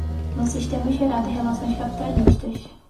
no sistema geral de relações capitalistas